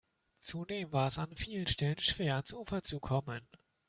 Zudem war es an vielen Stellen schwer, ans Ufer zu kommen.